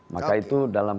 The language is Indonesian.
maka itu dalam